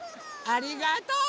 ありがとう！